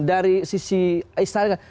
dari sisi istana